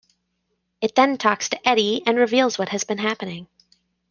It then talks to Eddy and reveals what has been happening.